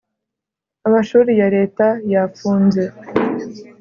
amashuri ya Leta yafunze